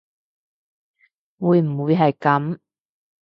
會唔會係噉